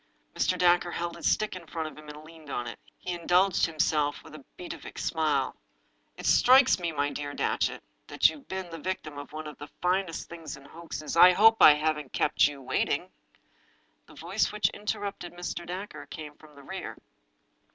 Mr. Dacre held his stick in front of him and leaned on it. He indulged himself with a beatific smile. " It strikes me, my dear Datchet, that you've been the victim of one of the finest things in hoaxes "" I hope I haven't kept you waiting." The voice which interrupted Mr. Dacre came from the rear.